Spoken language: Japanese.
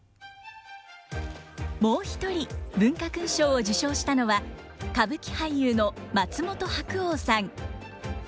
もう一人文化勲章を受章したのは歌舞伎俳優の松本白鸚さん。